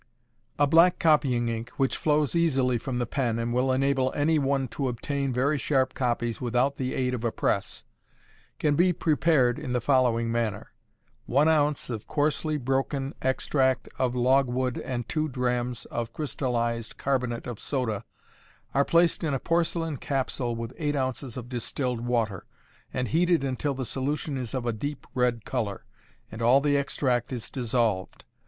_ A black copying ink, which flows easily from the pen, and will enable any one to obtain very sharp copies without the aid of a press, can be prepared in the following manner: One ounce of coarsely broken extract of logwood and two drachms of crystallized carbonate of soda are placed in a porcelain capsule with eight ounces of distilled water, and heated until the solution is of a deep red color, and all the extract is dissolved.